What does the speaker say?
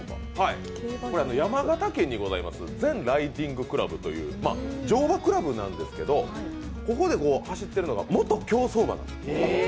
山形県にございますゼンライディングクラブという乗馬クラブなんですけどここで走ってるのが元競走馬なんです。